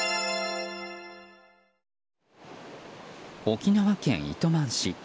沖縄県糸満市。